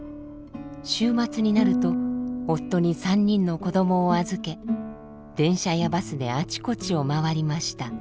週末になると夫に３人の子どもを預け電車やバスであちこちを回りました。